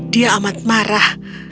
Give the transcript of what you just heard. dia amat marah